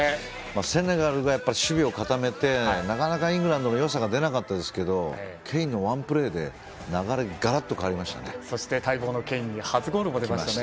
セネガルが守備を固めてなかなか、イングランドのよさが出なかったですけどケインのワンプレーで流れガラッと変わりましたね。